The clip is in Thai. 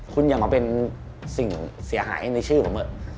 คุณอย่ามาเป็นสิ่งเสียหายในชื่อผม